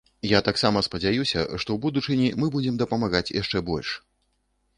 Я таксама спадзяюся, што ў будучыні мы будзем дапамагаць яшчэ больш.